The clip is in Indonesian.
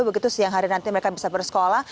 begitu siang hari nanti mereka bisa bersekolah